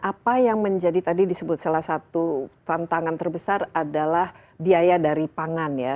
apa yang menjadi tadi disebut salah satu tantangan terbesar adalah biaya dari pangan ya